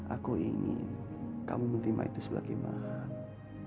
aku ingin kamu menerima itu sebagai mahar